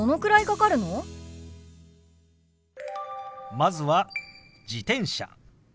まずは「自転車」。